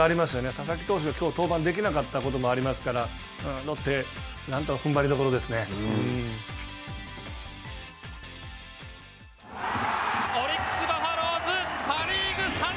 佐々木投手がきょう登板できなかったこともありますから、ロッテ、なんとか踏ん張りどころオリックス・バファローズ